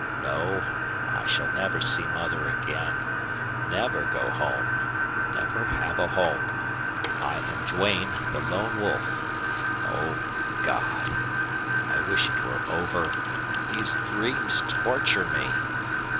No, I shall never see mother again never go home never have a home. I am Duane, the Lone Wolf! Oh, God! I wish it were over! These dreams torture me!